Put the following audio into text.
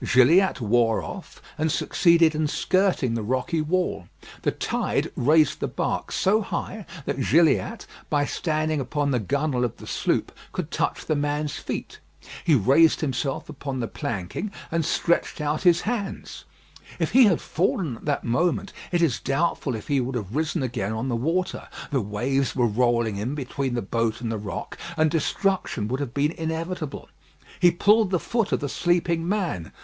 Gilliatt wore off, and succeeded in skirting the rocky wall. The tide raised the bark so high that Gilliatt, by standing upon the gunwale of the sloop, could touch the man's feet. He raised himself upon the planking, and stretched out his hands. If he had fallen at that moment, it is doubtful if he would have risen again on the water; the waves were rolling in between the boat and the rock, and destruction would have been inevitable. He pulled the foot of the sleeping man.